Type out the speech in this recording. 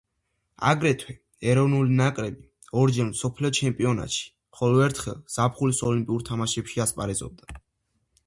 აგრეთვე ეროვნული ნაკრები ორჯერ მსოფლიო ჩემპიონატში, ხოლო ერთხელ ზაფხულის ოლიმპიურ თამაშებში ასპარეზობდა.